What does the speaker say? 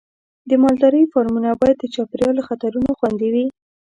د مالدارۍ فارمونه باید د چاپېریال له خطرونو خوندي وي.